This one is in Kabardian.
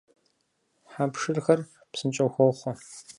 Хьэ пшырхэр псынщӀэу хохъуэ.